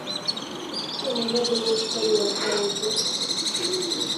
У мяне было сваё асяроддзе.